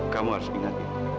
kamu harus ingat